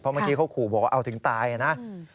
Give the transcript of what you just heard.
เมื่อกี้เขาขู่บอกว่าเอาถึงตายนะ